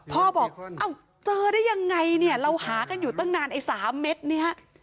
พ่อบอกเอ้าเจอได้ยังไงเนี่ยเราหากันอยู่ตั้งนานไอ้๓เม็ดเนี่ย